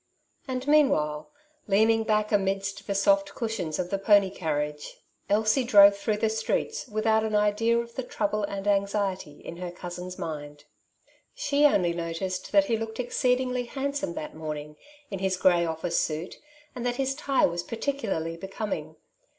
And meanwhile, leaning back amidst the soft cushions of the pony carriage, Elsie drove through 62 " Two Sides to every Question'* the streets without an idea of the trouble and anxiety in her cousin's mind. She only noticed that he looked exceedingly handsome that morning, in his grey office suit, and that his tie was par ticularly becoming.